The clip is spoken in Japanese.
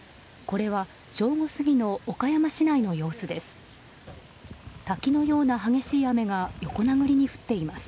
これは正午過ぎの岡山市内の様子です。